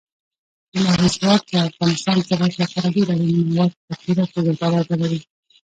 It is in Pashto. لمریز ځواک د افغانستان د صنعت لپاره ډېر اړین مواد په پوره توګه برابروي.